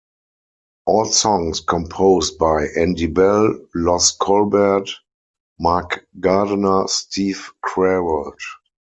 All songs composed by Andy Bell, Loz Colbert, Mark Gardener, Steve Queralt.